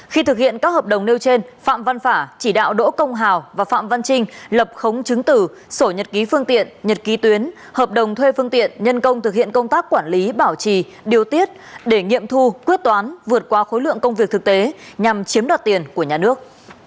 khi thực hiện các hợp đồng nêu trên phạm văn phả chỉ đạo đỗ công hào và phạm văn trinh lập khống chứng tử sổ nhật ký phương tiện nhật ký tuyến hợp đồng thuê phương tiện nhân công thực hiện công tác quản lý bảo trì điều tiết để nghiệm thu quyết toán vượt qua khối lượng công việc thực tế nhằm chiếm đoạt tiền của nhà nước